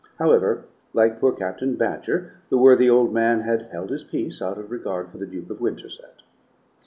However, like poor Captain Badger, the worthy old man had held his peace out of regard for the Duke of Winterset.